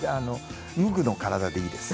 無垢の体でいいです。